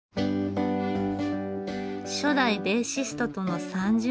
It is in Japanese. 初代ベーシストとの３０年ぶりの演奏。